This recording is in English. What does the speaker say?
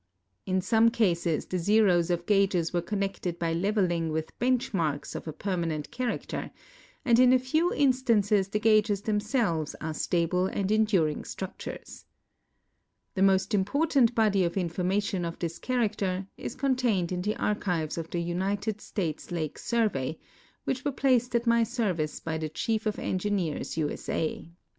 In some cases the zeros of gages were connected by level ing with bench marks of a permanent character, and in a few in stances the gages themselves are stable and enduring structures. ' The most important body of information of this character is con tained in the archives of the United States Lake Survey, which were placed at my service by the Chief of Engineers, U. S. A.